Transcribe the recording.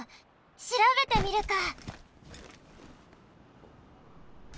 しらべてみるか！